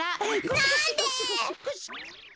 なんで？